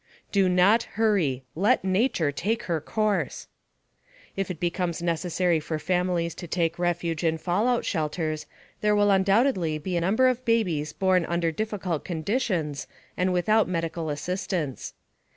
DO NOT HURRY LET NATURE TAKE HER COURSE. If it becomes necessary for families to take refuge in fallout shelters there will undoubtedly be a number of babies born under difficult conditions and without medical assistance.